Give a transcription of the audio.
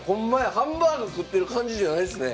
ハンバーグ食ってる感じじゃないですね。